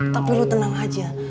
tapi lu tenang aja